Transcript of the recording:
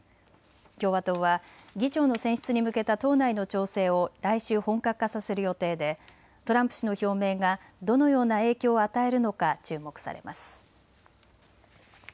共和党は議長の選出に向けた党内の調整を来週、本格化させる予定でトランプ氏の表明がどのような影響を与えるのか注目されます。